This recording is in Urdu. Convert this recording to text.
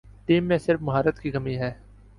ٹیم میں صرف مہارت کی کمی ہے ۔